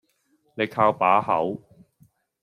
你靠把口